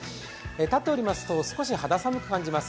立っておりますと少し肌寒く感じます。